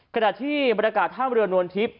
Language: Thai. ขณะที่บริการท่ามเรือนวนทิพย์